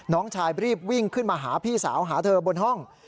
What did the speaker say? น้องชายรีบวิ่งขึ้นมาหาพี่สาวหาเธอบนห้อง